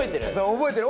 覚えてる？